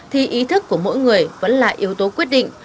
thì ý thức của mỗi người vẫn là yếu tố quyết định